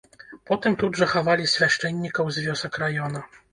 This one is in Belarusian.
Потым тут жа хавалі свяшчэннікаў з вёсак раёна.